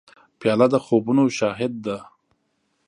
پیاله د خوبونو شاهد ده.